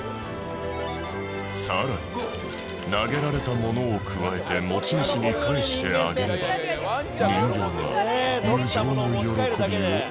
さらに投げられたものをくわえて持ち主に返してあげれば人間は無上の喜びを得る。